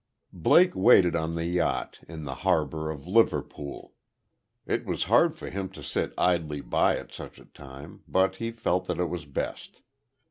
Blake waited on the yacht, in the harbor of Liverpool. It was hard for him to sit idly by at such a time; but he felt that it was best.